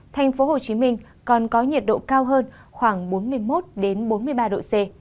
thành phố hồ chí minh còn có nhiệt độ cao hơn khoảng bốn mươi một bốn mươi ba độ c